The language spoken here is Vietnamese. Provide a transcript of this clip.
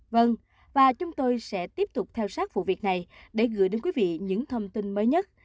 vâng và chúng tôi sẽ tiếp tục theo sát vụ việc này để gửi đến quý vị những thông tin mới nhất